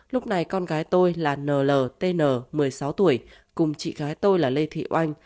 lúc này con gái tôi là nltn một mươi sáu tuổi cùng chị gái tôi là lê thị oanh